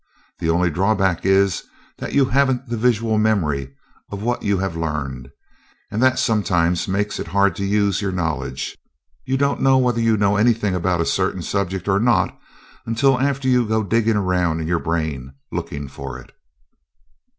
The only drawback is that you haven't the visual memory of what you have learned, and that sometimes makes it hard to use your knowledge. You don't know whether you know anything about a certain subject or not until after you go digging around in your brain looking for it."